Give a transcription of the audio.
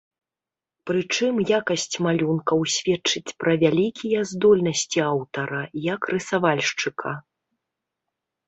Прычым якасць малюнкаў сведчыць пра вялікія здольнасці аўтара, як рысавальшчыка.